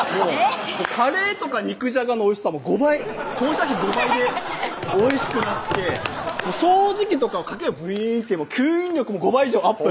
カレーとか肉じゃがのおいしさ当社比５倍でおいしくなって掃除機とかをかけるブイーンって吸引力も５倍以上アップ